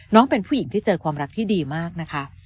เป็นผู้หญิงที่เจอความรักที่ดีมากนะคะ